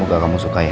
semoga kamu suka ya